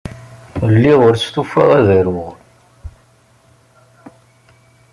Lliɣ ur stufaɣ ad aruɣ.